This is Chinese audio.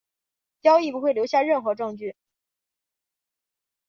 交易不会留下任何证据。